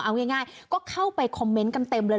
เอาง่ายก็เข้าไปคอมเมนต์กันเต็มเลย